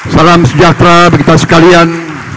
salam sejahtera bagi kita sekalian